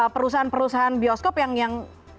perusahaan perusahaan bioskop yang